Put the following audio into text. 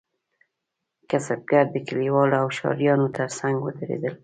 کسبګر د کلیوالو او ښاریانو ترڅنګ ودریدل.